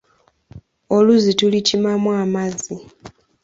Oluzzi tulukimamu amazzi